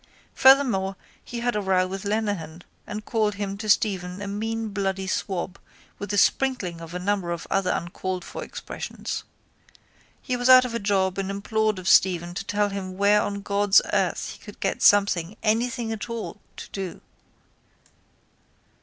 Furthermore he had a row with Lenehan and called him to Stephen a mean bloody swab with a sprinkling of a number of other uncalledfor expressions. He was out of a job and implored of Stephen to tell him where on God's earth he could get something, anything at all, to do.